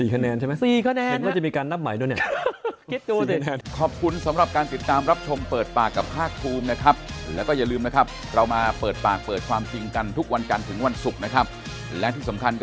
คะแนนใช่ไหมเห็นว่าจะมีการนับใหม่ด้วยเนี่ย